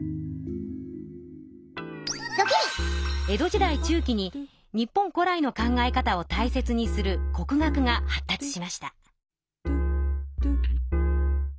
江戸時代中期に日本古来の考え方をたいせつにする国学が発達しました。